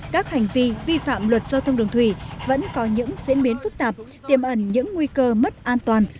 các hành vi vi phạm luật giao thông đường thủy vẫn có những diễn biến phức tạp tiềm ẩn những nguy cơ mất an toàn